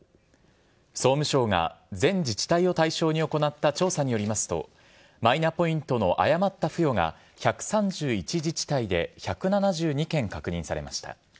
総務省が全自治体を対象に行った調査によりますと、マイナポイントの誤った付与が、１３１自治体で１７２件確認されました。